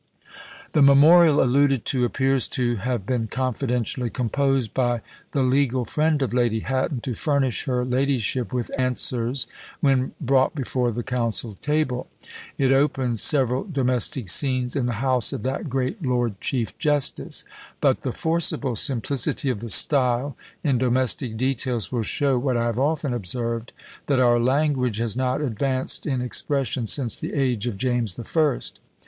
The memorial alluded to appears to have been confidentially composed by the legal friend of Lady Hatton, to furnish her ladyship with answers when brought before the council table. It opens several domestic scenes in the house of that great lord chief justice; but the forcible simplicity of the style in domestic details will show, what I have often observed, that our language has not advanced in expression since the age of James the First.